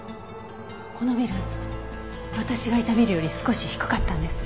このビル私がいたビルより少し低かったんです。